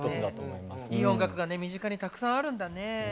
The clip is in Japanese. いい音楽が身近にたくさんあるんだね。